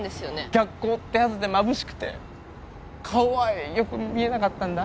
逆光ってやつでまぶしくて顔はよく見えなかったんだ